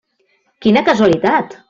Quina casualitat!